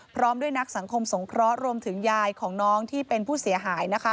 พร้อมด้วยนักสังคมสงเคราะห์รวมถึงยายของน้องที่เป็นผู้เสียหายนะคะ